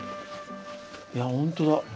いや本当だ。